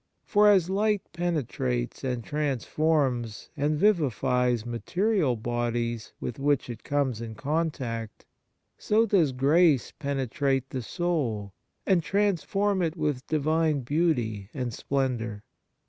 For as light penetrates and transforms and vivi fies material bodies with which it comes in contact, so does grace penetrate the soul, and transform it with Divine beauty and splendour.